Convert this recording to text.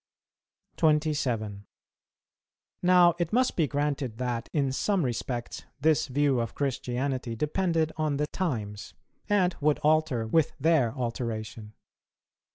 27. Now it must be granted that, in some respects, this view of Christianity depended on the times, and would alter with their alteration.